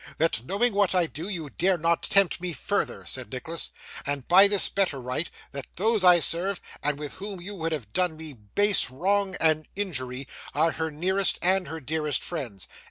That, knowing what I do, you dare not tempt me further,' said Nicholas, 'and by this better right; that those I serve, and with whom you would have done me base wrong and injury, are her nearest and her dearest friends.